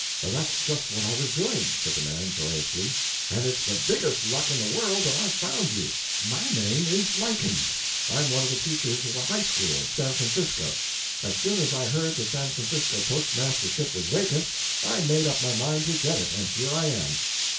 "That's just what I was doing," said the man, joyously, "and it's the biggest luck in the world that I've found you. My name is Lykins. I'm one of the teachers of the high school San Francisco. As soon as I heard the San Francisco postmastership was vacant, I made up my mind to get it and here I am."